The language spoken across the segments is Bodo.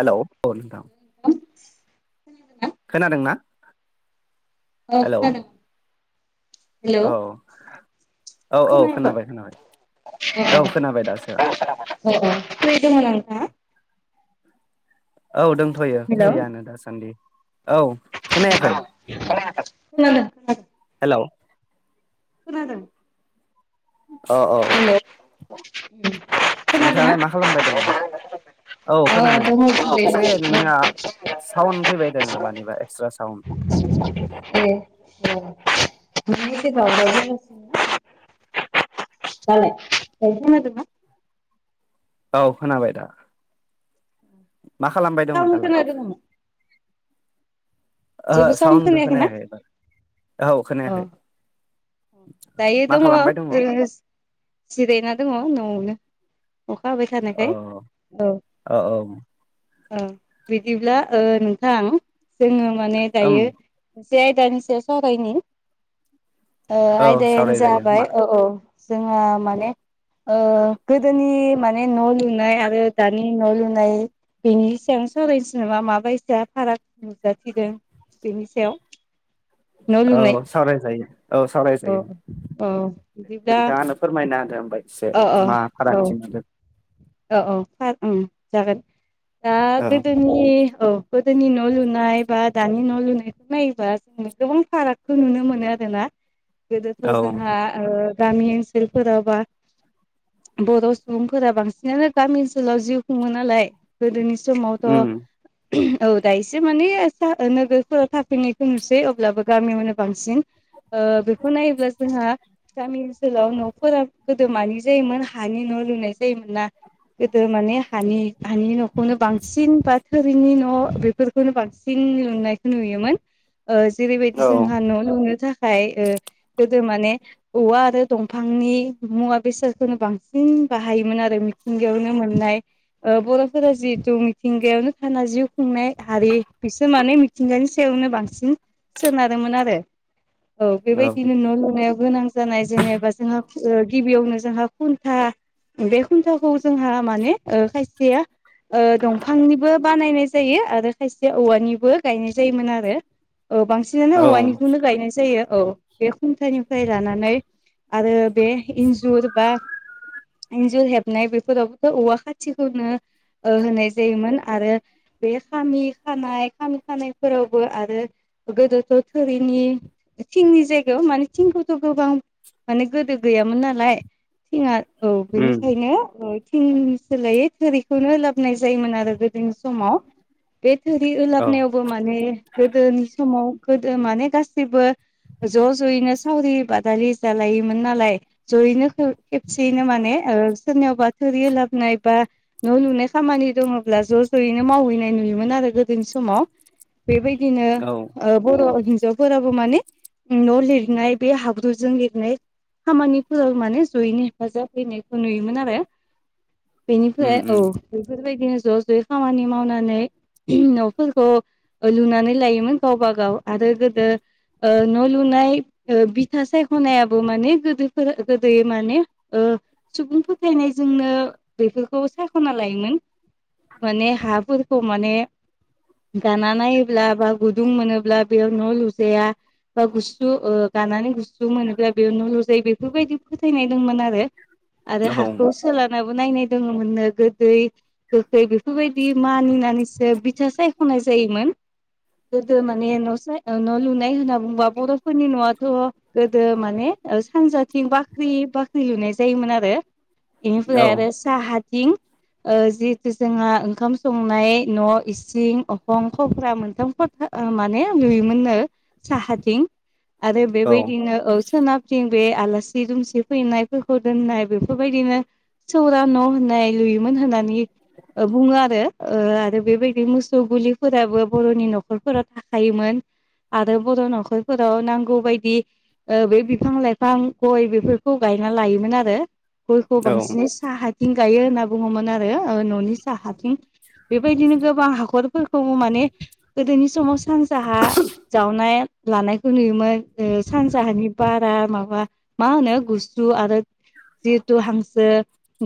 हेल' औ नोंथां। [unintelligible] खोनादोंना? हेलौ औ हेल'। औ औ खोनाबाय खोनाबाय खोनायाखै औ खोनाबाय दासो [unintelligible] नोंथाङा औ दंथ'यो खोनादों फ्रियनो दासान्दि औ खोनायाखै। खोनायाखै? खोनादों। हेल'। खोनादों। अ अ। हेलौ [unintelligible] खोनादोंना? नोंथाङालाय मा खालामबाय दङ। औ अ खोनादों दङ फ्रियैनो औ एसे नोंनिया साउन फैबाय दङो मानिबा एक्सट्रा साउन्ड [unintelligible] दालाय दायो खोनादोंना? औ खोनाबाय दा? [inaudible] मा खालामबाय दंमोन साउन दालाय? खोनादोंमोन ओहो जेबो साइन्ड साउन्डखौ खोनायाखै ना? औ अ खोनायाखै [inaudible] दायो मा दङ खालामबाय जोङ जिरायना दङ न'आवनो अखा हाबाय औ थानायखाय औ। औ बिदिब्ला नोंथां जोङो माने ओम दायो से आयदानि सायाव सावरायनि। औ आयदायानो सावरायजायो मा जाबाय औ औ जोंहा माने गोदोनि माने न' लुनाय आरो दानि न' लुनाय बेनि सिगां [unintelligible] माबायसा फाराग नुजाथिदों बेनि सायाव। न' औ लुनाय सावराय जायो। औ सावरायजायो औ औ बिदिब्ला नोंथाङानो फोरमायना होदो होनबा एसे अ अ मा औ फारागथि मोनदों। औ औ सार ओं जागोन दा गोदो औ जोंनि औ गोदोनि न' लुनाय बा दानि न' लुनायखौ नायोबा जोंनो गोबां फाराग खौ नुनो मोनो आरोना। गोदोथ' औ जोंहा ओ गामि ओनसोलफोराबा बर' सुबुंफोरा बांसिनानो गामि ओनसोलाव जिउ खुङो नालाय गोदोनि समावथ' उम ओहोम औ दा एसे माने नोगोरफोराव थाफैनायखौ नुसै अब्लाबो गामियावनो बांसिन ओ बेखौ नायोब्ला जोंहा गामि ओनसोलाव न'फोरा गोदो मानि जायोमोन हानि न' लुनाय जायोमोन ना। गोदो माने हानि हानि न'ख खौनो बांसिन बा थोरिनि न' बेफोरखौनो बांसिन लुनायखौ नुयोमोन। ओ जेरैबायदि औ जोंहा न' लुनो थाखाय ओ गोदो माने औवा आरो दंफांनि मुवा बेसादखौनो बांसिन बाहायोमोन आरो मिथिंगायावनो मोननाय ओ बर'फोरा जिहेतु मिथिंगायावनो थाना जिउ खुंनाय हारि बिसोर माने मिथिंगानि सायावनो बांसिन सोनार आरो औ बेबायदिनो न' लुनायाव गोनां जानाय जेनेबा जोंहा ओ गिबियावनो जोंहा खुन्था बे खुन्थाखौ जोंहा माने ओ खायसेया ओ दंफांनिबो बानायनाय जायो आरो खायसे औवानिबो गायनाय जायोमोन आरो ओ बांसिन बांसिनानो औवानिखौनो गायनाय जायो। औ बे खुन्थायनिफ्राय लानानै आरो बे इन्जुर बा इन्जुर हेबनाय बेफोरावबोथ' औवा खाथिखौनो होनाय जायोमोन आरो बे खामि खानाय खामि खानायफोरावबो आरो गोदो थो थोरिनि थिंनि जायगायाव माने थिंखौथ' गोबां माने गोदो गैयामोन नालाय थिंआ औ उम बेनिखायनो थिंनि सोलायै थोरिखौनो लाबोनाय जायोमोन आरो गोदोनि समाव। बे थोरि औ ओलाबनायावबो माने गोदोनि समाव गोदो माने गासैबो ज' ज'यैनो सावरि बादालि जालायोमोन नालाय। ज'यैनो खेबसेयैनो माने सोरनियावबा थोरि ओलाबनाय बा न' लुनाय खामानि दङब्ला ज' ज'यैनो मावहैनाय नुयोमोन आरो गोदोनि समाव। बेबायदिनो औ। ओ बर' हिन्जावफोराबो माने न' लिरनाय बे हाब्रुजों लिरनाय खामानिफोराव माने ज'यैनो हेफाजाब होननायखौ नुयोमोन आरो। उम बेनिफ्राय औ। उम बेफोरबायदिनो ज' ज'यै खामानि मावनानै न'फोरखौ लुनानै लायोमोन। गावबागाव आरो गोदो ओ न' लुनाय ओ बिथा सायख'नायाबो माने गोदोफोर गोदो माने ओ सुबुं फोथायनायजोंनो बेफोरखौ सायाख'ना लायोमोन। माने हाफोरखौ माने दाना नायोब्ला बा गुदुं मोनोब्ला बेयाव न' लुजाया। बा गुसु गानानै गुसु मोनोब्ला बेयाव न' लुजायो बेफोरबायदि फोथायनाय दंमोन आरो। आरो औ हाखौ सोलानाबो नायनाय दङमोननो गोदै गोखै बेफोरबायदि मानिनानैसो बिथा सायख'नाय जायोमोन। गोदो माने नसा' न' लुनाय होनना बुंबा बर'फोरनि न'आथ' गोदो माने औ सानजाथिं बाख्रि- बाख्रि लुनाय जायोमोन आरो बेनिफ्राय आरो साहाथिं जिहेतु जोंहा ओंखाम संनाय न' इसिं अखंखफ्रा मोनथामफोर माने आं लुयोमोननो साहाथिं आरो बेबायदिनो औ सोनाब जों बे आलासि दुमसि फैनायफोरखौ दोननाय बेफोरबायदिनो सौरा न' होननाय लुयोमोन होननानै बुङो आरो ओ आरो बेबायदि मोसौ गुलिफोराबो बर'नि न'खर नखरफोराव थाखायोमोन आरो बर' न'खरफोराव नांगौ बायदि ओ बे बिफां- लाइफां गय बेफोरखौ गायना लायोमोन आरो। गयखौ औ बांसिनै साहाथिं गायो होनना बुङोमोन आरो न'नि साहाथिं बेबायदिनो गोबां हाखरफोरखौबो माने गोदोनि समाव सानजाहा जावनाय लानायखौ नुयोमोन ‌ सानजाहानि बारा माबा मा होनो गुसु आरो जिहेथु हांसो,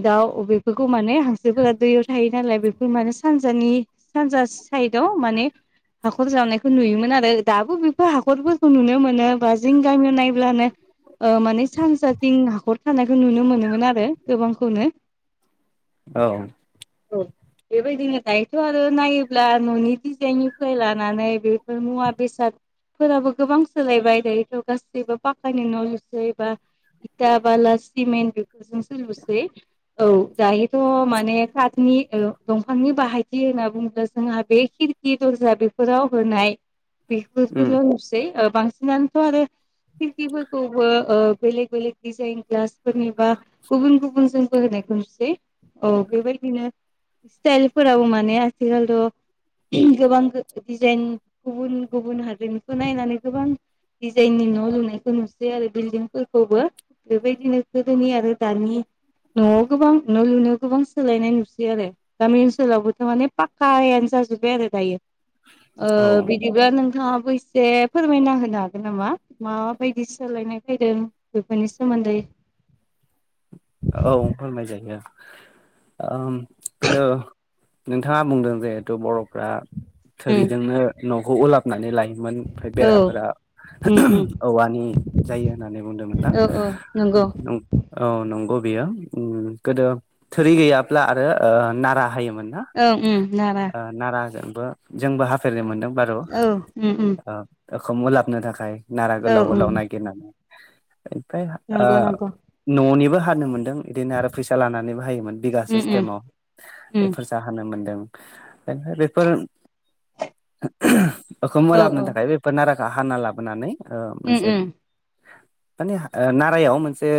दाउ अबेफोरखौ माने हांसोफोरा दै थायो नालाय बेफोर माने सानजानि सानजा साइदाव माने हाखर जावनायखौ नुयोमोन आरो दाबो बेफोर हाखरफोरखौ नुनो मोनो बा जों गामियाव नायब्लानो ओ माने सानजाथिं हाखर थानायखौ नुनो मोनोमोन आरो गोबांखौनो। औ। औ बेबायदिनो दायोथ' आरो नायोब्ला न'नि डिजाइननि लानानै बेफोर मुवा बेसाद -फोराबो गोबां सोलायबाय दायोथ' गासैबो पाकानि न' लुसै बा इथा, बाला, सिमेन्ट बेफोरजोंसो लुसै। औ दायोथ' माने कातनि ओ दंफांनि बाहायथि होनना बुङोब्ला जोंहा बे खिरखि दरजा बेफोराव होनाय उम बेफोरखौल' होसै बांसिनानो आरो खिरखिफोरखौबो ओ बेलेग बेलेग डिजाइन ग्लास -फोरनि बा गुबुन गुबुन जोंबो होनायखौ नुसै औ बेबायदिनो स्टाइलफोराबो माने आथिखालथ' गोबां गो- डिजाइन गुबुन गुबुन हादोरनिखौ नायनानै गोबां डिजाइननि न' लुनायखौ नुसै आरो बिल्डिंफोरखौबो। बेबायदिनो गोदोनि आरो दानि न'आव गोबां न' लुनो गोबां सोलायनाय नुसै आरो। गामि ओनसोलावबोथ' माने पाक्कायानो जाजोबबाय आरो दायो। ओ औ बिदि दा नोंथाङाबो एसे फोरमायना होनो हागोन नामा माबायदि सोलायनाय फैदों? बेफोरनि सोमोन्दै औ फोरमाय जायो ओम गोदो नोंथाङा बुंदों जिहेथु बर'फ्रा उम थोरिजोंनो न'खौ ओलाबनानै लायो। [unintelligible] ओमफ्राय औ बेराफोरा उम उम औवानि जायो होननानै बुंदोमोन ना औ औ नंगौ [unintelligible] औ नंगौ बेयो। ओम गोदो थोरि गैयाब्ला आरो नारा होयोमोन ना? औ ओम नारा। ओ नाराजोंबो जोंबो हाफेरनो मोनदों बारु औ उम उम ओ ओखुम ओलाबनो थाखाय। नारा औ गोलाव औ गोलाव नागिरनानै। ओमफ्राय ओ नंगौ नंगौ न'निबो [unintelligible] मोन्दों बिदिनो आरो फैसा लानानैबो हायोमोन बिगा उम उम सिस्टेमाव उम बेफोर होनो मोनदों ओमफाय बेफोर ओखुम औ ओलाबनो औ थाखाय बेफोर नाराखौ हाना लाबोनानै मोनसे ओ उम मोनसे उम माने ओ नारायाव मोनसे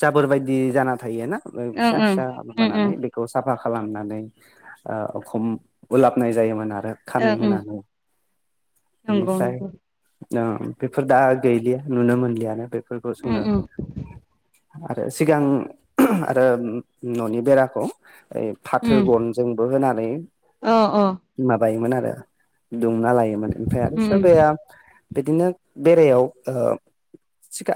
जाबोर बायदि जाना थायोना ओं फिसा ओं फिसा उम उम बानानै बेखौ खौ साफा खालामनानै खम उलाबनाय जायोमोन आरो ओं खामानि उम होनानै नंगौ बेनिफ्राय नंगौ औ बेफोर दा गैलिया नुनो मोनलियानो बेफोरखौ उम जोङो उम आरो सिगां आरो ननि बेराखौ ओरै फाथो उम गनजोंबो होनानै अ अ माबायोमोन आरो दुमना लायोमोन ओमफ्राय आरो उम उम सोरबाया बिदिनो बेरायाव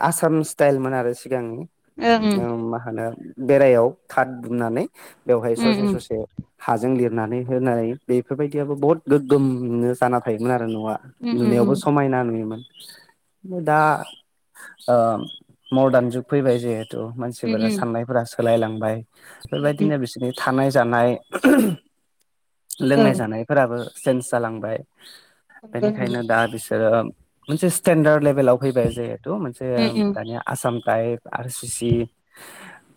आसाम स्टाइलमोन आरो सिगांनि ओं उम मा होनो बेरायाव थाथ दुमनानै बेवहाय उम ससे ससे हाजों लिरनानै होनाय बेफोरबायदियाबो बहुत गोग्गोमयैनो जाना थायोमोन आरो न'आ उम उम नुनायावबो समायना नुयोमोन दा मदार्न जुग फैबाय जिहेथु उम मानसिफोरा साननायफोरा सोलायलांबाय बेबायदिनो बिसोर बि थानाय जानाय उम औ लोंनाय जानाय फोराबो चेन्ज जालांबाय नंगौ नंगौ उम बेनिखायनो दा बिसोरो मोनसे स्टेेनडार्द लेभेलाव फैबाय जिहेथु मोनसे उम दानिया Assam type R C C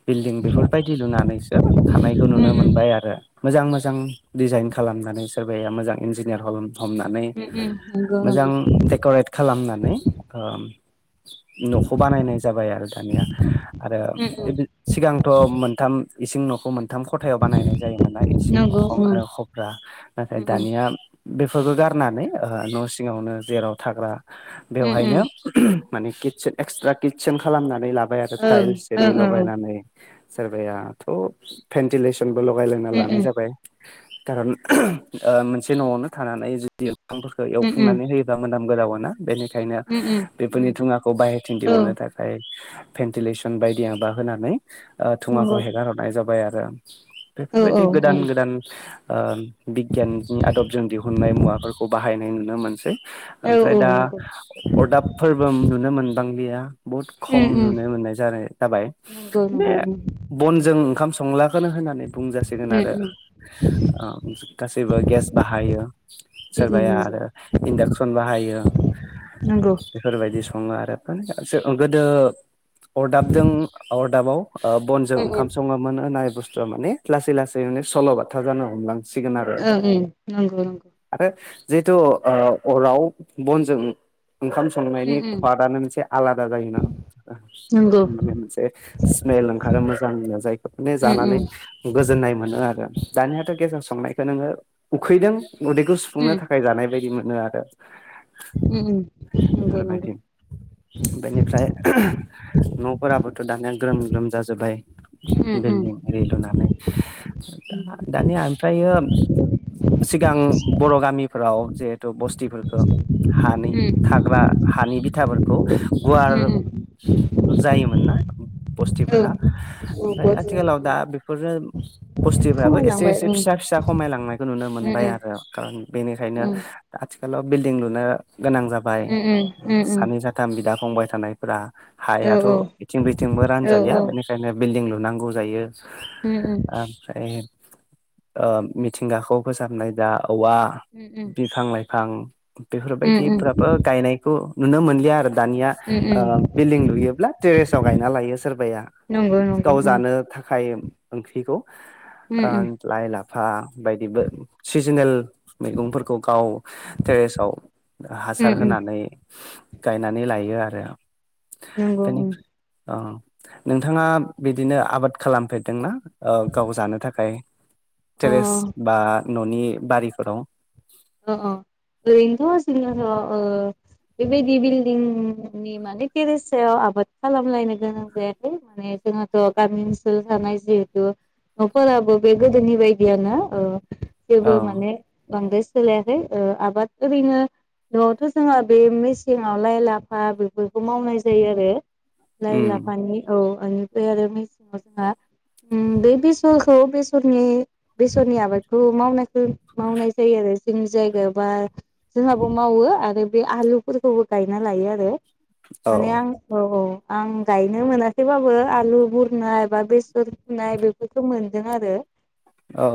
building बेफोरबायदि लुनानैसो थानायखौ उम नुनो मोनबाय आरो मोजां मोजां डिजाइन खालामनानै सोरबाया मोजां इन्जिनियार हम हमनानै उम उम नंगौ मोजां नंगौ डेकरेट खालामनानै न'खौ बानायनाय जाबाय आरो दानिया आरो उम उम सिगांथ' मोनथाम इसिं न'खौ मोनथाम मोनथाम खथायाव बानायनाय जायोमोन ना इसिं नंगौ अखं उम आरो खब्रा नाथाय उम दानिया बेफोरखौ गारनानै न' सिङावनो जेराव थाग्रा उम बेवहायनो माने किटसे एक्सट्रा किटसेेन खालामनानै लाबाय आरो टाइल्स एरि लगायनानै सोरबायाथ' भेन्टिलेसनबो लगायलायना लानाय जाबाय कारन ओ मोनसे नआवनो थानानै जुदि‌ दंफांफोरखो एवफुंनानै होयो मोनाम गोजावोना बेनिखायनो उम बेफोरनि धुङाखौ बाहेरथिं दिहुननो थाखाय भेन्टिलेसन बायदिया बा होनानै धुङाखौ हेगार हरनाय जाबाय आरो ओं ओं बेफोरबायदि गोदान ओं गोदान बिगियाननि आदबजों दिहुननाय मुवाफोरखौ बाहायनाय नुनो मोनसै औ उम औ नंगौ औ ओमफ्राय औ दा नंगौ अरदाबफोरबो नुनो मोनबांलिया बहुद खम उम उम नुनो मोननाय जानाय जाबाय नंगौ माने नंगौ उम बनजों ओंखाम संलाखौनो होननानै बुंजासिगोन उम आरो उम गासैबो गेस बाहायो उम सोरबाया उम आरो इन्डाक्सन बाहायो नंगौ बेफोरबायदि सङो आरो माने गोदो अरदाबजों अरदाबाव नंगौ बनजों उम ओंखाम सङो मोन होननाय बुस्थुआ माने लासै लासै माने सल' बाथा जानो हमलां सिगोनार उम नंगौ नंगौ आरो जिहेथु ओ अराव बनजों ओंखाम सं संनायनि उम उम खवादानो मोनसे आलादा जायोना नंगौ मोनसे स्मेल ओंखारो मोजांनो जायखौ माने उम जानानै उम गोजोननाय मोनो आरो दानियाथ' गेसआव संनायखौ नोङो उखैदों उदैखौ सु सुफुंनो उम थाखाय जानाय बायदि मोनो आरो उम नंगौ नंगौ बेफोरबायदि बेनिफ्राय न'फोराबोथ' दानिया ग्रोम ग्रोम जाजोब्बाय उम उम बिल्डिं एरि लुनानै दानिया ओमफ्राय सिगां बर गामिफोराव जिहेतु बस थिफोरखौ हानि थाग्रा हानि बिथाफोरखौ गुवार उम उम जायोमोन ना बस्तिफोरा औ ओमफ्राय औ आथिखालाव दा बे फोरो बुस्तिफ्राबो एसे खमायलांबाय एसे उम फिसा फिसा खमायलांनायखौ नुनो मोनबाय उम आरो। खारन बेनिखायनो उम आथिखालाव बिल्डिं लुनो गोनां जाब बाय उम उम उम उम सानै जा थाम बिदा फंबाय थानायफोरा हायाथ' औ औ बिथिं बिथिंबो औ रानजालिया औ बेनिखाय खायनो बिल्डिं लुनांगौ जायो। उम उम। ओमफ्राय ओ मिथिंगाखौ फोसाबनाय दा औवा उम बिफां लाइफां उम उम बेफोरबायदिफ्राबो गायनायखौ नुनो मोनलिया आरो दानिया। ओ उम बिल्डिं लुयोब्ला टेरेसाव गायना लायो सोरबाया। नंगौ नंगौ गाव उम जानो थाखाय ओंख्रिखौ उम ओन लाइ लाफा बायदिबो सिजोनेल मैगंफोरखौ गाव टेरेसाव उम हासार उम होनानै नानै लायो आरो नंगौ उम बेनिफ्रा औ नोंथाङा बिदिनो आबाद खालामफेरदोंना ओ गाव जानो थाखाय? टेरेस अ बा न'नि बारिफोराव। ओ अ ओरैनोथ जोंनि ओनसोलाव ओ बेबायदि बिल्डिं नि माने टेरेस सायाव आबाद खालामलायनो गोनां जाया। माने जोंहाथ' गामि ओनसोल थानाय जिहेतु नफोराबो बे गोदोनि बायदियानो ओ‌ जेबो औ माने बांद्राय सोलायाखै ओ आबाद ओरैनो नआवथ जोंहा बे मेसेंआव लाइ लाफा बेफोरखौ मावनाय जायो आरो। लाइ उम लाफानि औ बेनिफ्राय आरो मेसेंआव जोंहा उम बे बेसरखौ बेसरनि बेसरनि आबादखौ मावनायखौ मावनाय जायो आरो। जोंनि जायगायाव बा जोंहाबो मावो आरो बे आलुफोरखौबो गायना लायो आरो। औ माने आं औ औ। आं गायनो मोनाखैबाबो आलु बुरनाय बा बेसर फुनाय बेफोरखौ मोनदों आरो। [inaudible] औ।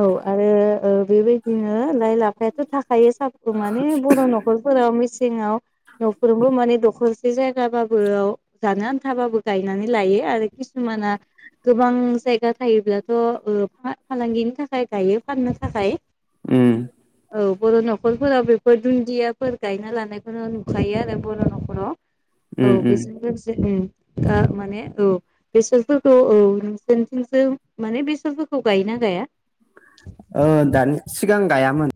औ आरो ओ बेबायदिनो लाइ लाफायाथ' थाखायो साब माने बर' न'खरफोराव मिसेङाव न'फोरमबो माने दखरसे जायगाबाबो जानो आन्थाबाबो गायनानै लायो आरो किसुमाना गोबां जायगा थायोब्लाथ' फालांगिनि थाखाय गायो फाननो थाखाय। उम। औ बर' न'खरफोराव बेफोर दुन्दियाफोर गायना लानायखौनो नुखायो आरो बर' न'खराव। औ उम उम बेजों लोगोसे उम आ माने औ। बेसरफोरखौ औ नोंसोरथिंसो माने बेसरफोरखौ गायोना गाया? ओ दानि सिगां गायामोन।